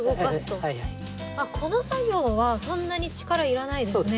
この作業はそんなに力いらないですね。